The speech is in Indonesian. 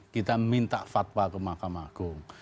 kita minta fatwa ke mahkamah agung